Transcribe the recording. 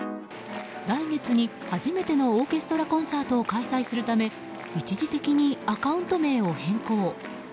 来月に初めてのオーケストラコンサートを開催するため一時的にアカウント名を変更。